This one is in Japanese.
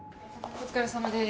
お疲れさまです。